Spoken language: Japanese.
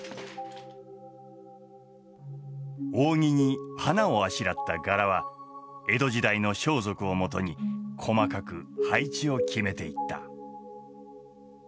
扇に花をあしらった柄は江戸時代の装束をもとに細かく配置を決めていった。